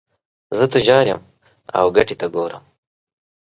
زه تجار یم او ګټې ته ګورم.